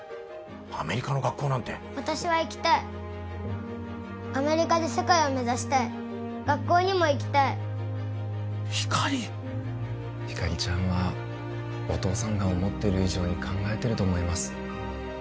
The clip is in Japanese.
アメリカの学校なんて私は行きたいアメリカで世界を目指したい学校にも行きたいひかりひかりちゃんはお父さんが思ってる以上に考えてると思います